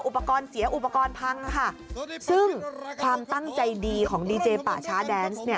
อุปกรณ์เสียอุปกรณ์พังค่ะซึ่งความตั้งใจดีของดีเจป่าช้าแดนซ์เนี่ย